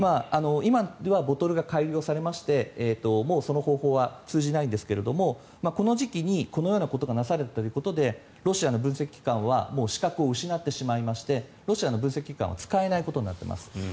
今ではボトルが改良されましてもうその方法は通じないんですがこの時期にこのようなことがなされたということでロシアの分析機関は資格を失ってしまいましてロシアの分析機関は使えないことになっています。